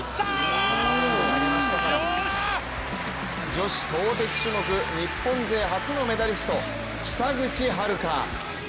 女子投てき種目日本勢初のメダリスト・北口榛花。